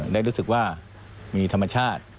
ได้รู้สึกว่ามีธรรมชาติ